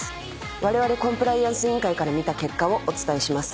われわれコンプライアンス委員会から見た結果をお伝えします。